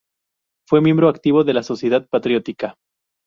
Fue miembro activo de la Sociedad Patriótica.